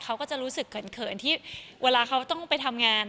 เขาก็จะรู้สึกเขินที่เวลาเขาต้องไปทำงาน